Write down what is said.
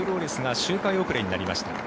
周回遅れになりました。